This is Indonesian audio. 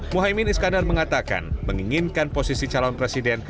muhaymin iskandar mengatakan menginginkan posisi calon presiden